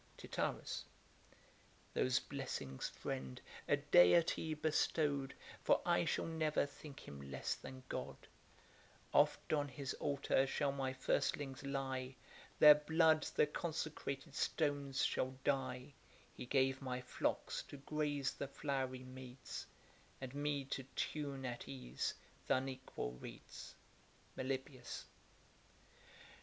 TITYRUS. Those blessings, friend, a deity bestow'd, For I shall never think him less than God; Oft on his altar shall my firstlings lie, Their blood the consecrated stones shall dye: He gave my flocks to graze the flowery meads, And me to tune at ease th' unequal reeds. MELIBOEUS.